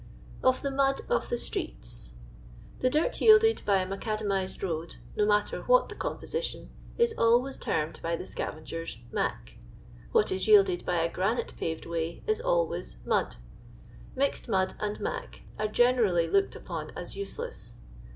Of the Mud of the Streets. The dirt yielded by a macadamized road, no matter what the composition, is always termed by the scavengers "mac;'* what is yielded by a granite paved way is always " mud.'' Mixed mud and " mac " are generally looked upon as useless.